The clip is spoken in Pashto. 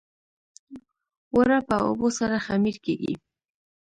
اوړه په اوبو سره خمیر کېږي